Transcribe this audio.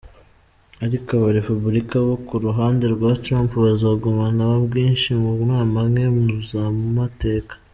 Ariko aba Republike bo ku ruhande rwa Trump bazogumana ubwinshi mu nama nkenguzamateka.